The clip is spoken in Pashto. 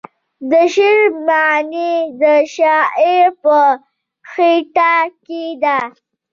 د شعر معنی د شاعر په خیټه کې ده .